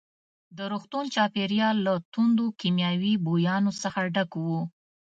د روغتون چاپېریال له توندو کیمیاوي بویانو څخه ډک وو.